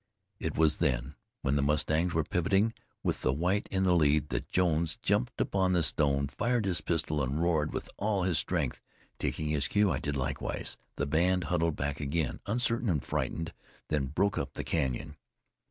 It was then, when the mustangs were pivoting, with the white in the lead, that Jones jumped upon the stone, fired his pistol and roared with all his strength. Taking his cue, I did likewise. The band huddled back again, uncertain and frightened, then broke up the canyon.